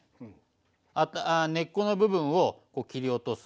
根っこの部分をこう切り落とす。